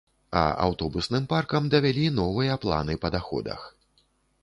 А аўтобусным паркам давялі новыя планы па даходах.